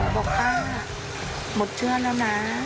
บอกป้าหมดเชื่อแล้วนะ